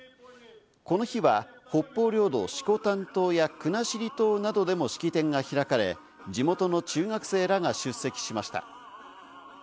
この日は北方領土、色丹島や国後島などでも式典が開かれ、地元の中学生らが出席しました。